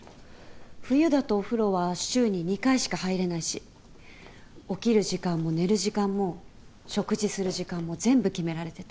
冬だとお風呂は週に２回しか入れないし起きる時間も寝る時間も食事する時間も全部決められてて。